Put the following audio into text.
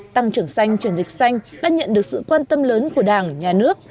tăng trưởng xanh chuyển dịch xanh đã nhận được sự quan tâm lớn của đảng nhà nước